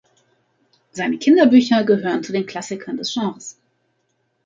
Seine Kinderbücher gehören zu den Klassikern des Genres.